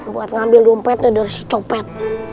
buat ngambil dompetnya dari si copet